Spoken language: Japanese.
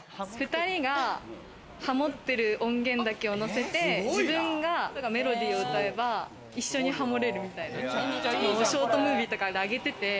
２人がハモってる音源だけをのせて、自分がメロディーを歌えば一緒にハモれるみたいな、ショートムービーとかで上げてて。